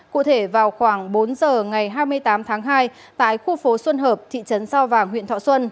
cụ thể vào khoảng bốn giờ ngày hai mươi tám tháng hai tại khu phố xuân hợp thị trấn sao vàng huyện thọ xuân